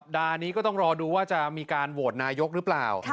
ดานี้ก็ต้องรอดูว่าจะมีการโหวตนายกหรือเปล่า